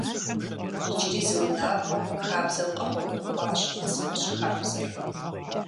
Иджыри зы унагъуэ хабзэу къэгъуэгурыкӏуащ «цымыщӏ» хабзэр.